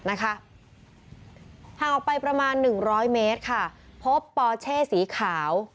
ห่างออกไปประมาณ๑๐๐เมตรค่ะพบปอเช่สีขาว